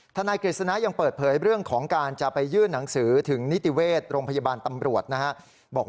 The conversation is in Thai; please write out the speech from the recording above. นายกฤษณะยังเปิดเผยเรื่องของการจะไปยื่นหนังสือถึงนิติเวชโรงพยาบาลตำรวจนะครับ